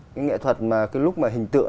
cái nghệ thuật mà cái lúc mà hình tượng